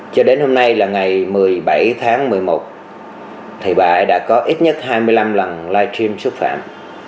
cho đến hôm nay là ngày một mươi bảy tháng một mươi một thì bà đã có ít nhất hai mươi năm lần live stream xúc phạm